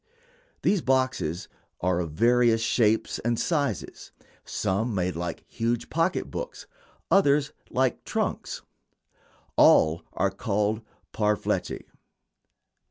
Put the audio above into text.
These boxes are of various shapes and sizes some made like huge pocket books, others like trunks. All are called "parfleche."